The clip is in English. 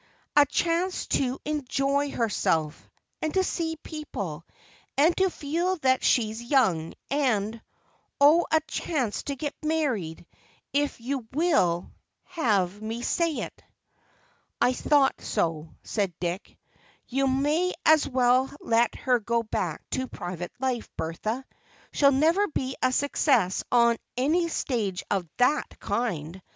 "A chance to enjoy herself, and to see people, and to feel that she's young, and—oh, a chance to get married, if you will have me say it." "I thought so," said Dick. "You may as well let her go back to private life, Bertha; she'll never be a success on any stage of that kind.